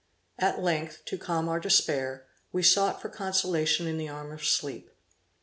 At length, to calm our despair, we sought for consolation in the arm of sleep.